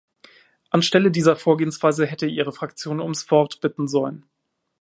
Anstelle dieser Vorgehensweise hätte Ihre Fraktion ums Wort bitten sollen.